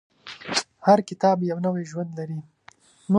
هر کتاب یو نوی ژوند لري.